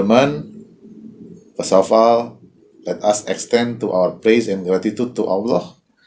sejauh ini biarkan kami menyebarkan penguasaan dan berterima kasih kepada allah